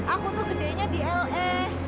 aku tuh gedenya di l e